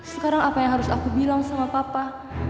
sekarang apa yang harus aku bilang sama papa